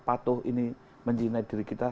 patuh ini menjina diri kita